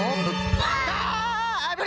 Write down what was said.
あれ？